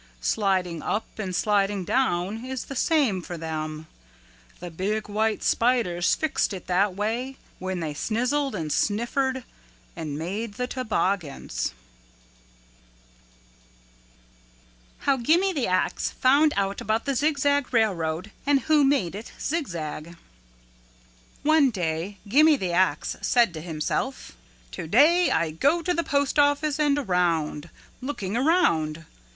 Sliding up and sliding down is the same for them. The big white spiders fixed it that way when they snizzled and sniffered and made the toboggan." How Gimme the Ax Found Out About the Zigzag Railroad and Who Made It Zigzag One day Gimme the Ax said to himself, "Today I go to the postoffice and around, looking around.